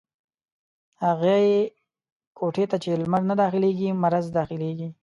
هغي کوټې ته چې لمر نه داخلېږي ، مرض دا خلېږي.